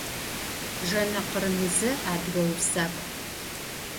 Jjene Khırımıze – adıge vusak'u.